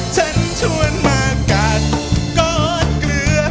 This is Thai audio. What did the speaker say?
ฉันชวนมากัดกอดเกลือ